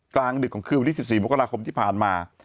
กลางดึกของคืนวันที่๑๔มกราคมที่ผ่านมา